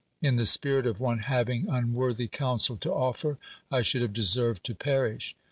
In the spirit of one having un worthy counsel to offer? — T should luivf.' deserved to perish